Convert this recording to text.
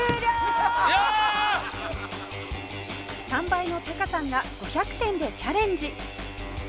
３倍のタカさんが５００点でチャレンジ